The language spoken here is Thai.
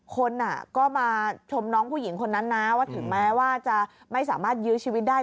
คนก็มาชมน้องผู้หญิงคนนั้นนะว่าถึงแม้ว่าจะไม่สามารถยื้อชีวิตได้